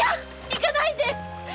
行かないで。